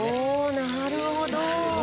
なるほど。